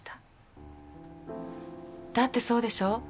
だってそうでしょ？